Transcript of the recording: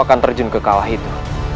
aku akan terjun ke kawah itu